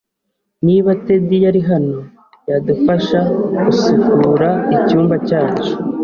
Niba Ted yari hano, yadufasha gusukura icyumba cyacu.